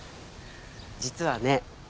実はね